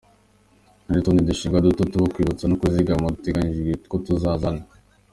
Hari n’utundi dushinga duto two kubitsa no kuzigama duteganyijwe ko tuzaza hano.